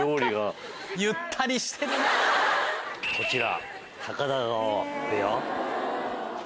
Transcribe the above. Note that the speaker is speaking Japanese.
こちら。